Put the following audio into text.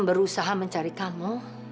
berusaha mencari kamu